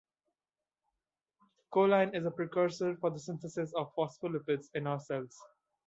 Choline is a precursor for the synthesis of phospholipids in our cells.